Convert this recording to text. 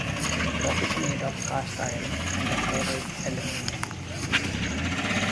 The block is made of cast iron and the head is aluminium.